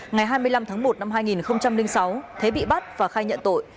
ngày hai mươi năm tháng một năm hai nghìn sáu thế bị bắt và khai nhận tội